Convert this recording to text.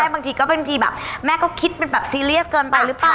บางทีก็บางทีแบบแม่ก็คิดเป็นแบบซีเรียสเกินไปหรือเปล่า